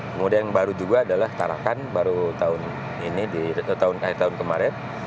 kemudian yang baru juga adalah tarakan baru tahun ini di tahun kemarin